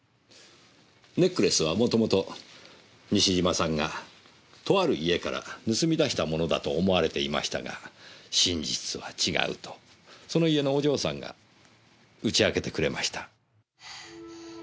ネックレスはもともと西島さんがとある家から盗み出したものだと思われていましたが真実は違うとその家のお嬢さんが打ち明けてくれました。